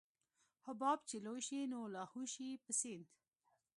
حباب چې لوى شي نو لاهو شي په سيند.